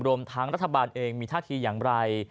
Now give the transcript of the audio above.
รวมทั้งรัฐบาลเองมีท่าทีอย่างไร